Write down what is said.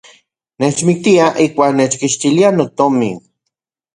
Nechmiktiaj ijkuak nechkixtiliaj notomin.